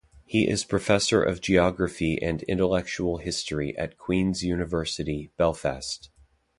He is Professor of Geography and Intellectual History at Queen's University Belfast.